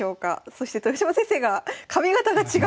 そして豊島先生が髪形が違う！